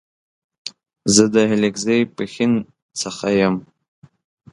زه د هيکلزئ ، پښين سخه يم